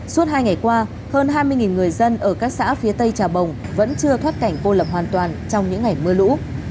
suốt hai ngày qua hơn hai mươi người dân ở các xã phía tây trà bồng vẫn chưa thoát cảnh cô lập hoàn toàn trong những ngày mưa lũ